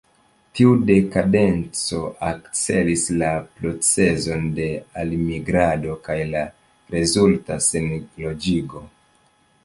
Tiu dekadenco akcelis la procezon de elmigrado kaj la rezulta senloĝigo.